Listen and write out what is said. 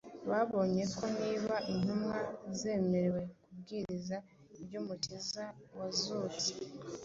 Babonye ko niba intumwa zemerewe kubwiriza iby’Umukiza wazutse